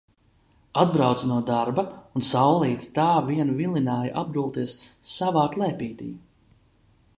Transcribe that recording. Atbraucu no darba un saulīte tā vien vilināja apgulties savā klēpītī.